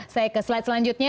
saya ke slide selanjutnya